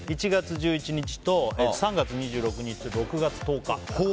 １月１１日と３月２６日と、６月１０日。